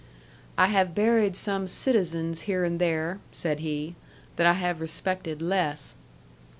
"I have buried some citizens here and there," said he, "that I have respected less."